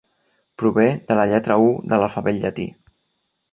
Prové de la lletra u de l'alfabet llatí.